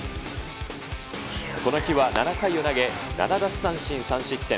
この日は７回を投げ、７奪三振３失点。